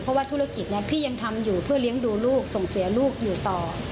เพราะว่าธุรกิจพี่ยังทำอยู่เพื่อเลี้ยงดูลูกส่งเสียลูกอยู่ต่อ